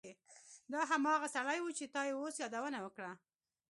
دا هماغه سړی و چې تا یې اوس یادونه وکړه